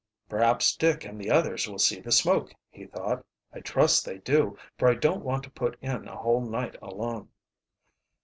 "Perhaps Dick and the others will see the smoke," he thought. "I trust they do, for I don't want to put in a whole night alone."